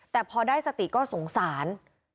แต่พอได้สติก็สงสาร